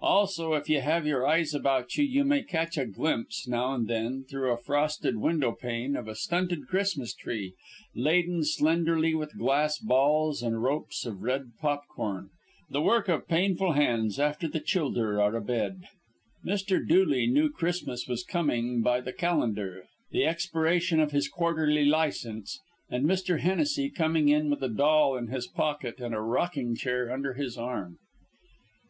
Also, if you have your eyes about you, you may catch a glimpse, now and then, through a frosted window pane of a stunted Christmas tree, laden slenderly with glass balls and ropes of red popcorn, the work of painful hands after the childher are abed. Mr. Dooley knew Christmas was coming by the calendar, the expiration of his quarterly license, and Mr. Hennessy coming in with a doll in his pocket and a rocking chair under his arm.